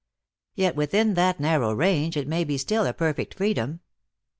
Yet within that narrow range it may be still a perfect freedom.